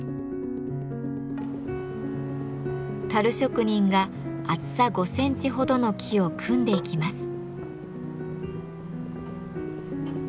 樽職人が厚さ５センチほどの木を組んでいきます。